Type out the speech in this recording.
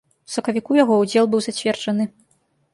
У сакавіку яго ўдзел быў зацверджаны.